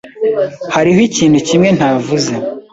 Hariho ikintu kimwe ntavuze.